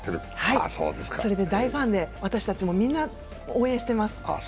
それで大ファンで私たちもみんな応援してます。